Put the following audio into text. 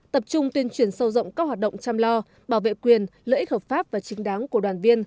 tập trung tuyên truyền sâu rộng các hoạt động chăm lo bảo vệ quyền lợi ích hợp pháp và chính đáng của đoàn viên